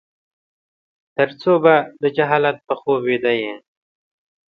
ترڅو به د جهالت په خوب ويده يې ؟